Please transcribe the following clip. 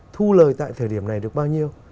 thu lời tại thời điểm này được bao nhiêu